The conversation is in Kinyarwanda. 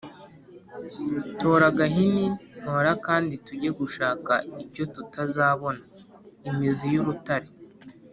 Tora agahini ntore akandi tujye gushaka icyo tutazabona.-Imizi y'urutare.